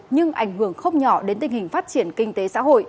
nhưng ảnh hưởng không nhỏ đến tình hình phát triển kinh tế xã hội